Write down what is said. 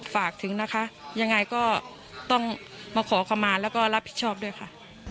ฝากถึงนะคะยังไงก็ต้องมาขอขมาแล้วก็รับผิดชอบด้วยค่ะ